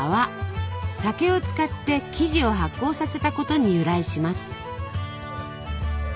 酒を使って生地を発酵させたことに由来します。